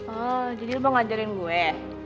oh jadi lo mau ngajarin gue